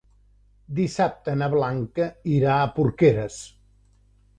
Dissabte na Blanca irà a Porqueres.